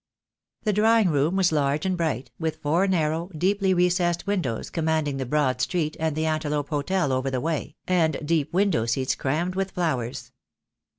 The drawing room was large and bright, with four narrow, deeply recessed windows commanding the broad street and the Antelope Hotel over the way, and deep window seats crammed with flowers.